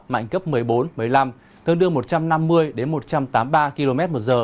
mạnh cấp một mươi bốn một mươi năm thương đương một trăm năm mươi một trăm tám mươi ba kmh